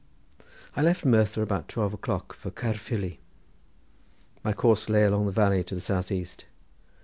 I left Merthyr about twelve o'clock for Caerfili. My course lay along the valley to the south east.